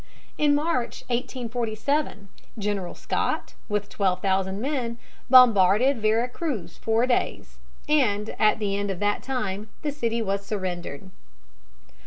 In March, 1847, General Scott, with twelve thousand men, bombarded Vera Cruz four days, and at the end of that time the city was surrendered.